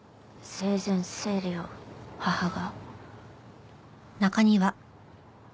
生前整理を母が？